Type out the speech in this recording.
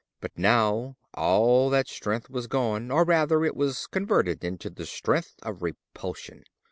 But now all that strength was gone, or, rather, it was converted into the strength of repulsion.